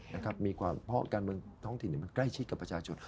เพราะการเมืองท้องถิ่นมันใกล้ชิดกับประชาชน